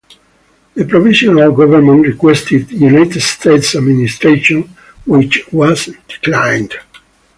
The provisional government requested United States administration, which was declined.